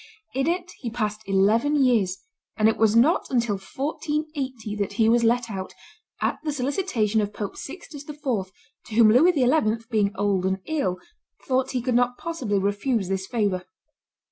In it he passed eleven years, and it was not until 1480 that he was let out, at the solicitation of Pope Sixtus IV., to whom Louis XI., being old and ill, thought he could not possibly refuse this favor.